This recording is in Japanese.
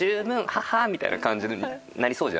ハハッ！」みたいな感じになりそうじゃないですか。